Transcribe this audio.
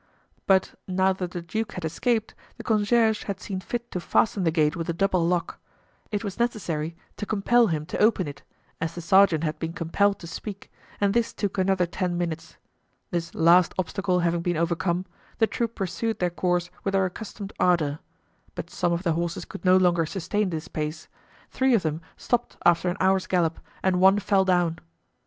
But, now that the duke had escaped, the concierge had seen fit to fasten the gate with a double lock. It was necessary to compel him to open it, as the sergeant had been compelled to speak, and this took another ten minutes. This last obstacle having been overcome, the troop pursued their course with their accustomed ardor; but some of the horses could no longer sustain this pace; three of them stopped after an hour's gallop, and one fell down.